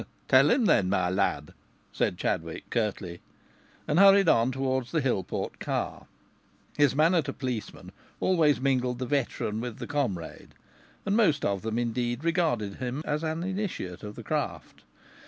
"Tell him, then, my lad," said Chadwick, curtly, and hurried on towards the Hillport car. His manner to policemen always mingled the veteran with the comrade, and most of them indeed regarded him as an initiate of the craft.